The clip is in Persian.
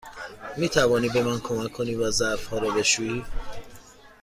می توانی به من کمک کنی و ظرف ها را بشویی؟